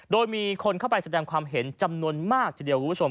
โดยมีคนเข้าไปแสดงความเห็นจำนวนมากทีเดียวคุณผู้ชม